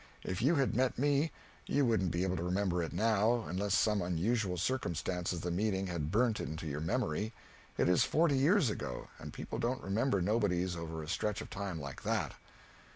If you had met me, you wouldn't be able to remember it now unless some unusual circumstance of the meeting had burnt it into your memory. It is forty years ago, and people don't remember nobodies over a stretch of time like that."